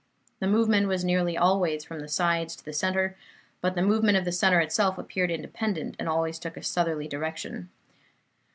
The movement was nearly always from the sides to the centre; but the movement of the centre itself appeared independent, and always took a southerly direction.